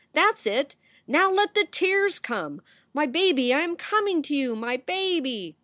That s it ! Now let the tears come! My baby, I am coming to you! My baby!